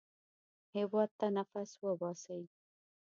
هېواد ته نفس وباسئ